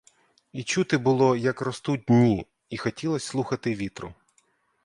І чути було, як ростуть дні, і хотілось слухати вітру.